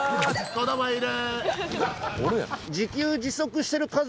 「子供いる！」。